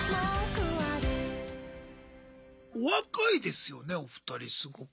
お若いですよねお二人すごく。